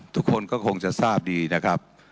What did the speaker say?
ทุกคนก็คงจะทราบดีนะครับ